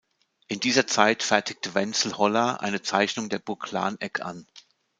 In dieser Zeit fertigte Wenzel Hollar eine Zeichnung der "Burg Lahneck" an.